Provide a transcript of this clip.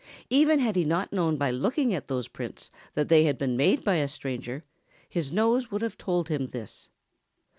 Even had he not known by looking at those prints that they had been made by a stranger, his nose would have told him this.